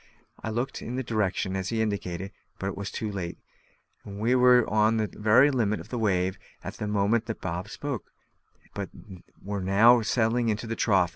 I looked in the direction he indicated, but was too late: we were on the very summit of a wave at the moment that Bob spoke, but were now settling into the trough.